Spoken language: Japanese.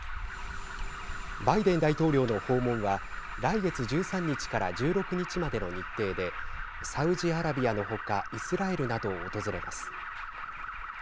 バイデン大統領の訪問は来月１３日から１６日までの日程でサウジアラビアのほかイスラエルなどを訪れます。